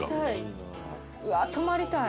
うわっ泊まりたい。